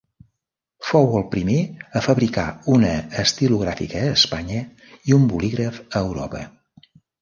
Fou el primer a fabricar una estilogràfica a Espanya i un bolígraf a Europa.